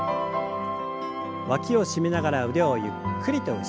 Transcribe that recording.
わきを締めながら腕をゆっくりと後ろに。